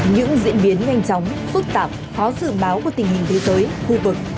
những diễn biến nhanh chóng phức tạp khó dự báo của tình hình thế giới khu vực